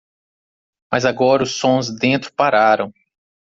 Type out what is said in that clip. Mas agora os sons dentro pararam.